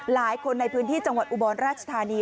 หลายคนในพื้นที่จังหวัดอุบลราชธานี